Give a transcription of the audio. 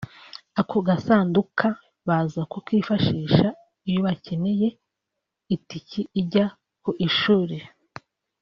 Ako gasanduka baza kukifashisha iyo bakeneye itike ijya ku ishuri